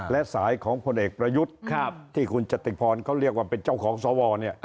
และสายของพลเอกประยุทธ์ที่คุณจติพรเขาเรียกว่าเป็นเจ้าของสว